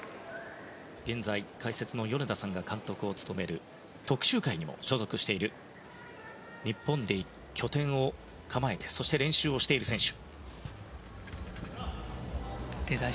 現在、解説の米田さんが監督を務める徳洲会に所属し日本で拠点を構えてそして練習をしている選手。